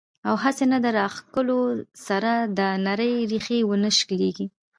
او هسې نه د راښکلو سره دا نرۍ ريښې ونۀ شليږي